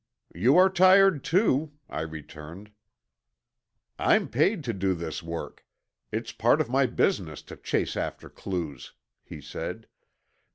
"You are tired, too," I returned. "I'm paid to do this work. It's part of my business to chase after clues," he said.